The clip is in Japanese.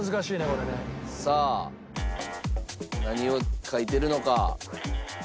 さあ何を描いているのか？